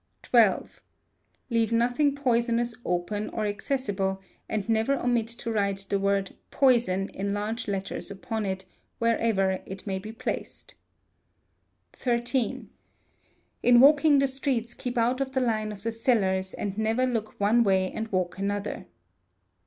xii. Leave nothing poisonous open or accessible; and never omit to write the word "POISON" in large letters upon it, wherever it may be placed. xiii. In walking the streets keep out of the line of the cellars, and never look one way and walk another.